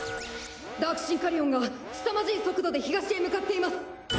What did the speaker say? ダークシンカリオンがすさまじい速度で東へ向かっています！